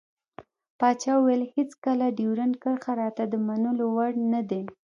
پاچا وويل هېڅکله ډيورند کرښه راته د منلو وړ نه دى.